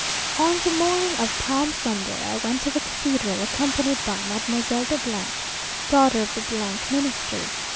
On the morning of Palm Sunday, I went to the Cathedral, accompanied by Mademoiselle de , daughter of the Minister.